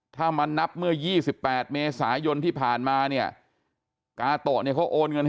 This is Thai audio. ถ้ามันนับเมื่อ๒๘เมษศาหยนต์ที่ผ่านมาเนี่ยกาโตโอนเงิน